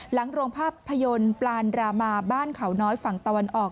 หลังโรงภาพยนตร์ปลานรามาบ้านเขาน้อยฝั่งตะวันออก